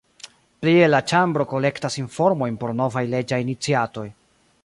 Plie la Ĉambro kolektas informojn por novaj leĝaj iniciatoj.